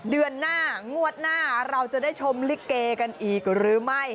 เดือนหน้างวดหน้าเราจะได้ชมลิเกกันอีกหรือไม่